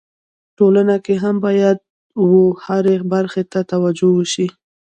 ټولنه کي هم باید و هري برخي ته توجو وسي.